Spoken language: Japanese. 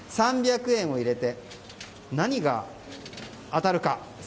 ３００円を入れて何が当たるか。